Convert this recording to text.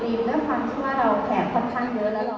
ที่มันเจ้าสาวเนี่ยสัมพันธ์กันหน่อยกันละกัน